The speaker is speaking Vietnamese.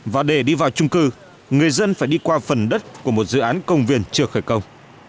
và để đi vào trung cư người dân phải đi qua phần đất của một dự án công viên chưa khởi công